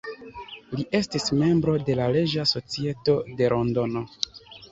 Li estis membro de la Reĝa Societo de Londono.